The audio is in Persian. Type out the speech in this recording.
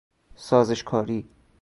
سازشکاری